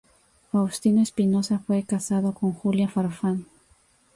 Faustino Espinoza fue casado con Julia Farfán.